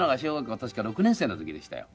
確か６年生の時でしたよ。